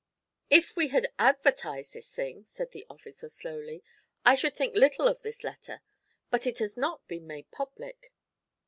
'If we had advertised this thing,' said the officer slowly, 'I should think little of this letter, but it has not been made public.'